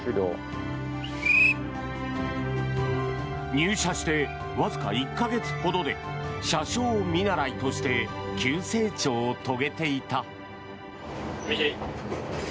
入社してわずか１か月ほどで車掌見習いとして急成長を遂げていた。